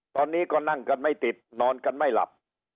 ตอนนี้ก็นั่งกันไม่ติดนอนกันไม่หลับ